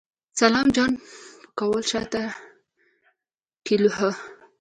سلام جان پکول شاته ټېلوهه.